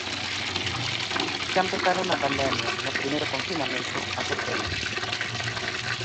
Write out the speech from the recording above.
Xa empezaron na pandemia, no primeiro confinamento, a facelo.